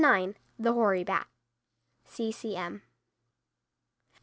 ] THE HOARY BAT. C. C. M.